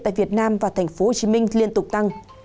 tại việt nam và tp hcm liên tục tăng